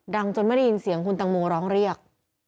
จนไม่ได้ยินเสียงคุณตังโมร้องเรียก